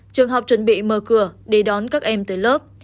trường học chuẩn bị mở cửa đi đón các em tới lớp